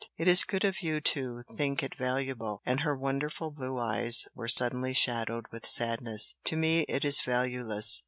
"It is good of you to think it valuable," and her wonderful blue eyes were suddenly shadowed with sadness "To me it is valueless."